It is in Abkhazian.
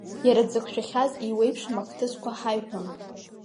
Иара дзықәшәахьаз еиуеиԥшым ахҭысқәа ҳаиҳәон.